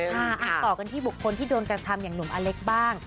ต่อกันที่บุคคลที่โดนกระทำอย่างหนุ่มอเล็กบ้าง